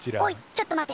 ちょっと待て！